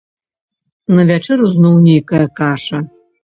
На вячэру зноў нейкая каша.